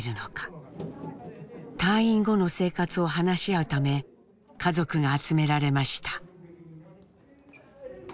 退院後の生活を話し合うため家族が集められました。